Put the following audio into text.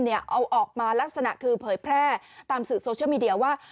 เอาออกมาลักษณะคือเผยแพร่ตามสื่อโซเชียลมีเดียว่า